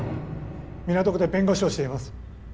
港区で弁護士をしています。